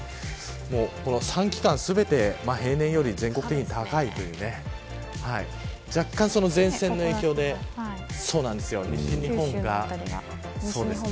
３期間全て平年より全国的に高いので若干、前線の影響でいい汗。